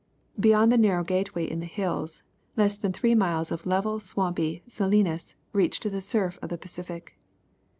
Beyond the narrow gateway in the hills, less than three miles of level swampy salinas reach to the surf of the Pacific.